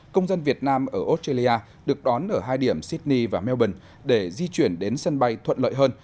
công dân việt nam ở australia được đón ở hai điểm sydney và melbourne để di chuyển đến sân bay thuận lợi hơn